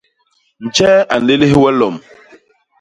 Njee a nlélés we lom?